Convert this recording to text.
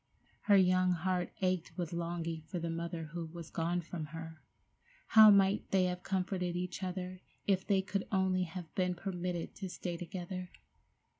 Her young heart ached with longing for the mother who was gone from her. How might they have comforted each other if they could only have been permitted to stay together!